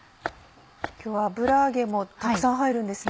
油揚げもたくさん入るんですね。